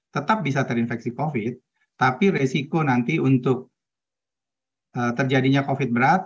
tetap bisa terinfeksi covid tapi resiko nanti untuk terjadinya covid berat